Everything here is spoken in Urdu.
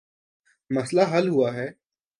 مسئلہ حل ہوا ہے۔